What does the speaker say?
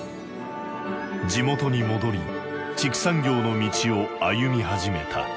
地元に戻り畜産業の道を歩み始めた。